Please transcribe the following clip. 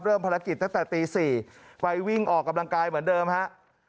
ภารกิจตั้งแต่ตี๔ไปวิ่งออกกำลังกายเหมือนเดิมฮะ